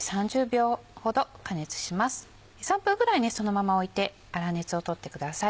３分ぐらいそのまま置いて粗熱を取ってください。